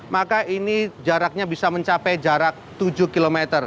maka ini jaraknya bisa mencapai jarak tujuh km